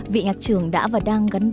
vị ngạc trưởng đã và đang gắn bóng